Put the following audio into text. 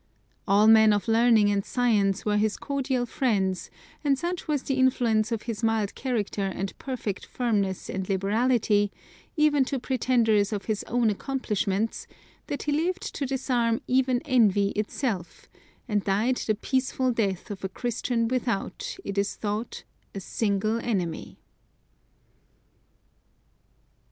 All men of learning and science were his cordial friends, and such was the influence of his mild character and perfect firmness and liberality, even to pretenders of his own accomplishments, that he lived to disarm even envy itself, and died the peaceful death of a Christian without, it is thought, a single enemy.